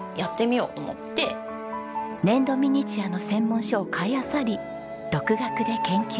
粘土ミニチュアの専門書を買いあさり独学で研究。